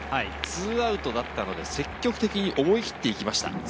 ２アウトだったので積極的に思い切って行きました。